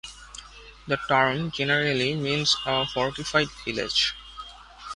The term generally means a fortified village.